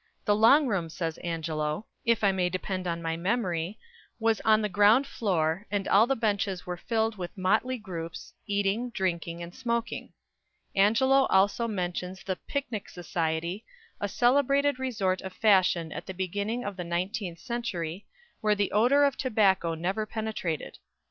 "The long room," says Angelo, "if I may depend on my memory, was on the ground floor, and all the benches were filled with motley groups, eating, drinking, and smoking." Angelo also mentions the "Picnic Society," a celebrated resort of fashion at the beginning of the nineteenth century, where the odour of tobacco never penetrated.